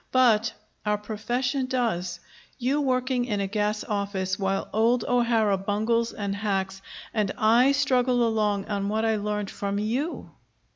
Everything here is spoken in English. But our profession does. You working in a gas office, while old O'Hara bungles and hacks, and I struggle along on what I learned from you!